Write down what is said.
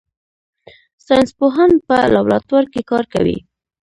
ساینس پوهان په لابراتوار کې کار کوي